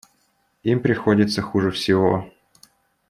Им приходится хуже всего.